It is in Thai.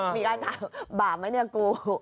มีการถามบาปไหมเนี่ยกู